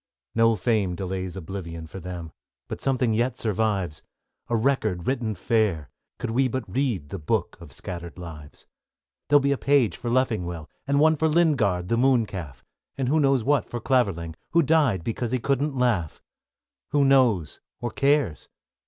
No fame delays oblivion For them, but something yet survives: A record written fair, could we But read the book of scattered lives. There'll be a page for Leffingwell, And one for Lingard, the Moon calf; And who knows what for Clavering, Who died because he couldn't laugh? Who knows or cares?